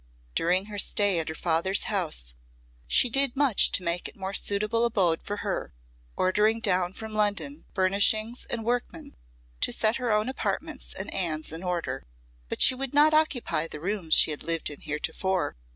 During her stay at her father's house she did much to make it a more suitable abode for her, ordering down from London furnishings and workmen to set her own apartments and Anne's in order. But she would not occupy the rooms she had lived in heretofore.